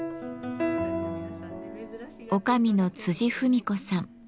女将の芙美子さん。